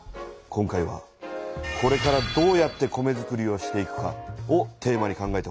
今回は「これからどうやって米づくりをしていくか」をテーマに考えてほしい。